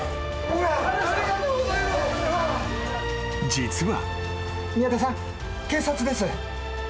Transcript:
［実は］